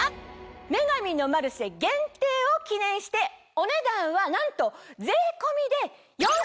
『女神のマルシェ』限定を記念してお値段はなんと。